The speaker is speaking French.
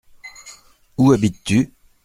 Où habites-tu ?